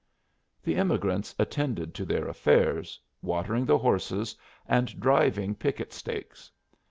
The emigrants attended to their affairs, watering the horses and driving picket stakes.